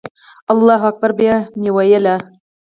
الله اکبر به مې وویل.